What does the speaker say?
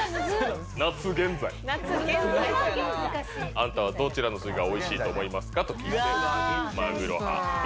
あなたはどちらの寿司がおいしいと思いますか？と聞いてマグロ派Ｂ